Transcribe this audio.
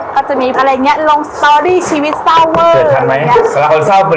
คิดได้ดิ